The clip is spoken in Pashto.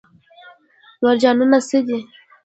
مرجانونه څه دي؟